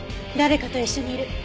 誰かと一緒にいる。